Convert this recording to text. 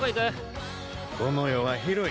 この世は広い。